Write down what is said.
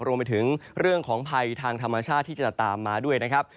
รวมไปถึงเรื่องของภัยทางธรรมชาติที่จะตามมาด้วยนะครับ